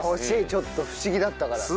ちょっと不思議だったからさ。